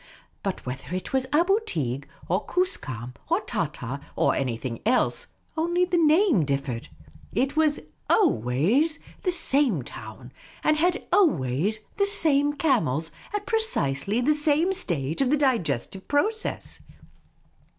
But whether it was Aboo Teeg or Koos kam or Tahtah or anything else, only the name differed : it was always the TOO MUCH NILE. same town, and had always the same camels at precisely the same stage of the digestive process.